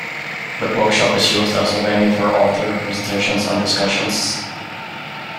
The bookshop is used as a venue for author presentations and discussions.